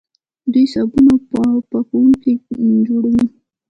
دوی صابون او پاکوونکي جوړوي.